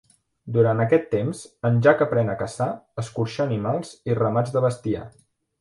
Durant aquest temps, en Jack aprèn a caçar, escorxar animals i ramats de bestiar.